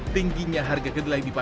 tingginya harga kedelai di pasar